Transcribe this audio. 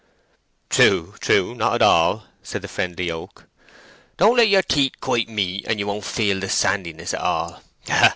"True, true—not at all," said the friendly Oak. "Don't let your teeth quite meet, and you won't feel the sandiness at all.